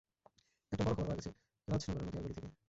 একটা বড় খবর পাওয়া গেছে, রাজনগরের মতিহার গলি থেকে।